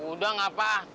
udah gak apa